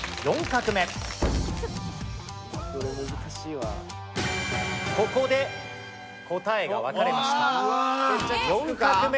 ４画目で答えが分かれました。